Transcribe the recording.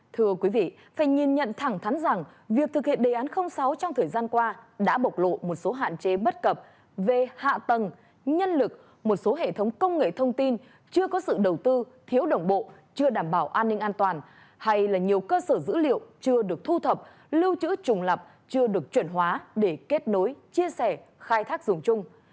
thưa quý vị phải nhìn nhận thẳng thắn rằng việc thực hiện đề án sáu trong thời gian qua đã bộc lộ một số hạn chế bất cập về hạ tầng nhân lực một số hệ thống công nghệ thông tin chưa có sự đầu tư thiếu đồng bộ chưa đảm bảo an ninh an toàn hay là nhiều cơ sở dữ liệu chưa được thu thập lưu trữ trùng lập chưa được chuyển hóa để kết nối chia sẻ khai thác dùng chung